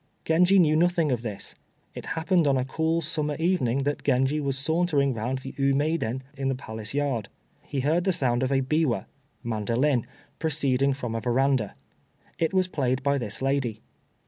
Genji knew nothing of this. It happened on a cool summer evening that Genji was sauntering round the Ummeiden in the palace yard. He heard the sound of a biwa (mandolin) proceeding from a veranda. It was played by this lady.